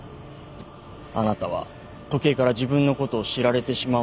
あなたは時計から自分のことを知られてしまうと焦った。